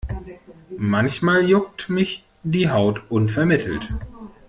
Manchmal juckt mich die Haut unvermittelt.